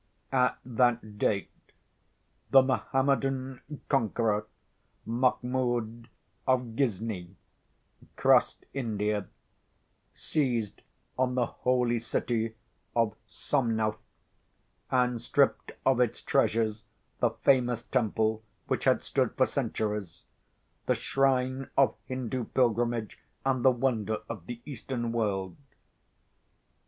At that date, the Mohammedan conqueror, Mahmoud of Ghizni, crossed India; seized on the holy city of Somnauth; and stripped of its treasures the famous temple, which had stood for centuries—the shrine of Hindoo pilgrimage, and the wonder of the Eastern world.